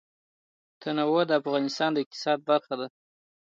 تنوع د افغانستان د اقتصاد برخه ده.